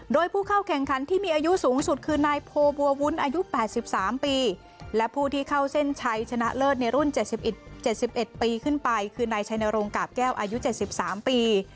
โดยผู้เข้าแข่งขันที่มีอายุสูงสุดคือนายโพบัววุ้นอายุ๘๓ปีและผู้ที่เข้าเส้นชัยชนะเลิศในรุ่น๗๑ปีขึ้นไปคือนายชัยนรงกาบแก้วอายุ๗๓ปี